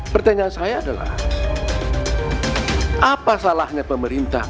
pertanyaan saya adalah apa salahnya pemerintah